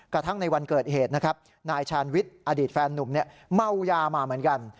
กระทั่งในวันเกิดเหตุนะครับนายชาญวิทย์อดีตแฟนนุ่มเมายามาเหมือนกัน